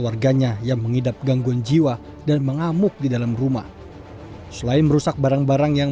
warganya yang mengidap gangguan jiwa dan mengamuk di dalam rumah selain merusak barang barang yang